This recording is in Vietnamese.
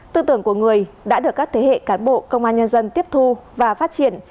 tư tưởng của người đã được các thế hệ cán bộ công an nhân dân tiếp thu và phát triển